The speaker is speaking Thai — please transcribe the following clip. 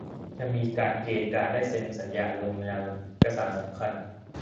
และจะมีเกณฑ์การได้เซ็นสัญญาลงนามเอกสารสำคัญ